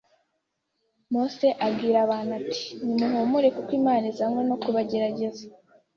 “Mose abwira abantu ati: ‘Nimuhumure kuko Imana izanywe no kubagerageza,